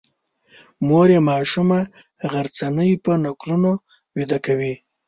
مور یې ماشومه غرڅنۍ په نکلونو ویده کوي.